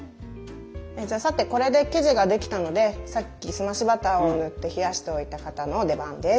さてこれで生地ができたのでさっき澄ましバターを塗って冷やしておいた型の出番です。